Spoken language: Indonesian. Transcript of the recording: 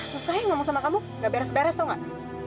susah ya ngomong sama kamu nggak beres beres tau nggak